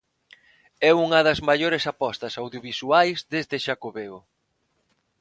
É unha das maiores apostas audiovisuais deste Xacobeo.